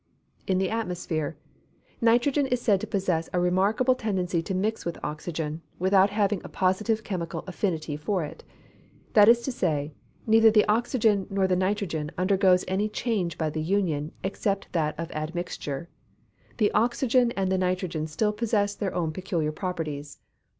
_ In the atmosphere. Nitrogen is said to possess a remarkable tendency to mix with oxygen, without having a positive chemical affinity for it. That is to say, neither the oxygen nor the nitrogen undergoes any change by the union, except that of admixture. The oxygen and the nitrogen still possess their own peculiar properties.